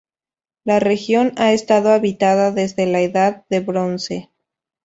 La región ha estado habitada desde la Edad de bronce.